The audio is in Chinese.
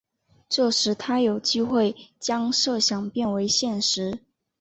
这使他有机会将设想变为现实。